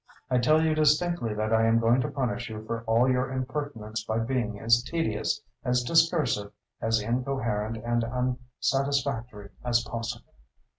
I tell you distinctly that I am going to punish you for all your impertinences by being as tedious, as discursive, as incoherent and as unsatisfactory as possible.